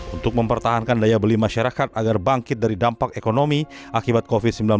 untuk mempertahankan daya beli masyarakat agar bangkit dari dampak ekonomi akibat covid sembilan belas